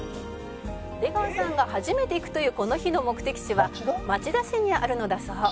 「出川さんが初めて行くというこの日の目的地は町田市にあるのだそう」